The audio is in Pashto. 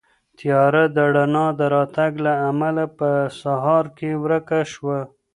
تیاره د رڼا د راتګ له امله په سهار کې ورکه شوه.